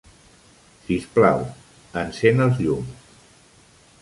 Sisplau, encén els llums.